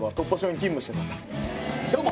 どうも！